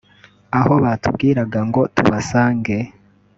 aho batubwiraga ngo tubasange